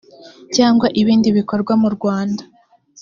cyangwa ibindi bikorwa mu rwanda